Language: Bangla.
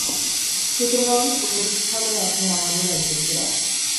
সুতরাং এর স্থলে আপনি আমাদের একজনকে রাখুন।